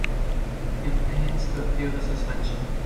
He plans to appeal the suspension.